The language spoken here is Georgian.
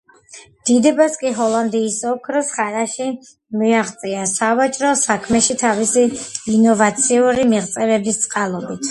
დიდებას კი ჰოლანდიის ოქროს ხანაში მიაღწია სავაჭრო საქმეში თავისი ინოვაციური მიღწევების წყალობით.